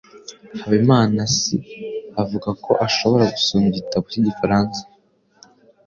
Habimanaasi avuga ko ashobora gusoma igitabo cy'igifaransa.